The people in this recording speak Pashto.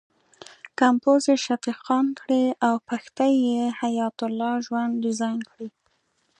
کمپوز یې شفیق خان کړی او پښتۍ یې حیات الله ژوند ډیزاین کړې.